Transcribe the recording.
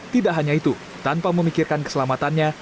tidak hanya itu tanpa memikirkan keselamatannya